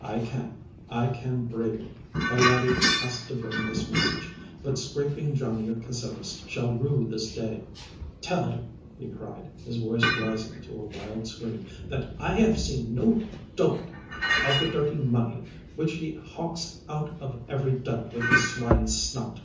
'I ken—I ken bravely. The laddie has to bring his message, but Scraping Johnny of Cassillis shall rue this day. Tell him,' he cried, his voice rising to a wild scream, 'that I have seen no doit of the dirty money which he howks out of every dub with his swine's snout.